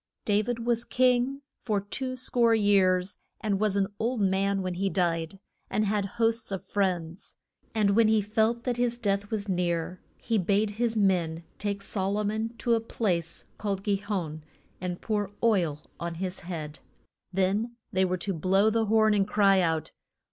Da vid was king for two score years, and was an old man when he died and had hosts of friends. And when he felt that his death was near, he bade his men take Sol o mon to a place called Gi hon, and pour oil on his head. Then they were to blow the horn and cry out.